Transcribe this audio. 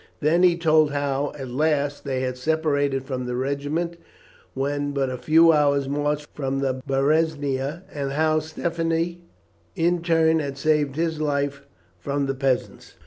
Then he told how, at last, they had separated from the regiment when but a few hours' march from the Berezina; and how Stephanie in turn had saved his life from the peasants.